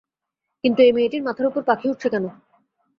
কিন্তু এই মেয়েটির মাথার উপর পাখি উড়ছে কেন?